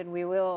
dan kita akan